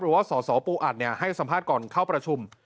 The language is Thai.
สสปูอัดให้สัมภาษณ์ก่อนเข้าประชุม